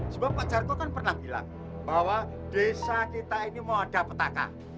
sebab pak jargo kan pernah bilang bahwa desa kita ini mau ada petaka